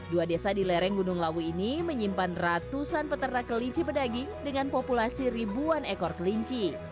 dua desa di lereng gunung lawu ini menyimpan ratusan peternak kelinci pedaging dengan populasi ribuan ekor kelinci